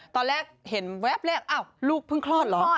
ตอนแรกเห็นแวบแรกอ้าวลูกเพิ่งคลอดเหรอ